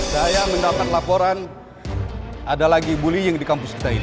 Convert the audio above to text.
saya mendapat laporan ada lagi bullying di kampus kita ini